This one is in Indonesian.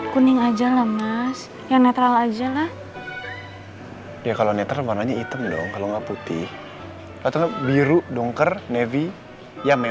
kuning aja leaving ya neeakter bijalah